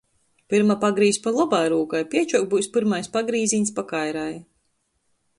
Pyrma pagrīz pa lobai rūkai, piečuok byus pyrmais pagrīzīņs pa kairai.